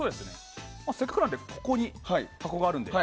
せっかくなんでここに箱があるので。